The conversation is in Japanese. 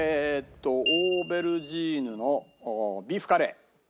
オーベルジーヌのビーフカレー。